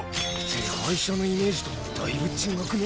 手配書のイメージとだいぶ違くね？